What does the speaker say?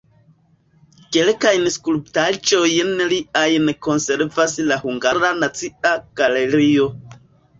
Kelkajn skulptaĵojn liajn konservas la Hungara Nacia Galerio.